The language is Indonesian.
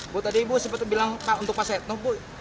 bu tadi sempat bilang untuk pak setno